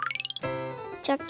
チョキ。